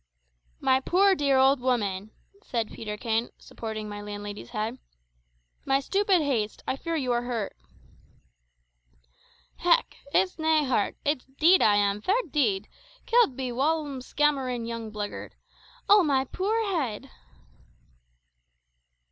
"My poor dear old woman," said Peterkin, supporting my landlady's head; "my stupid haste I fear you are hurt." "Hech! it's nae hurt it's deed I am, fair deed; killed be a whaumlskamerin' young blagyird. Oh, ma puir heed!"